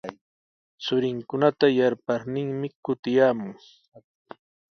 Churinkuna kuyaparninmi kutiykaamun.